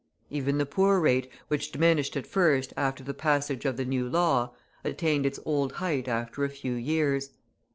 Even the poor rate, which diminished at first after the passage of the new law, attained its old height after a few years.